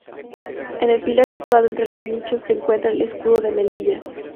En el pilar situado entre los nichos se encuentra el Escudo de Melilla.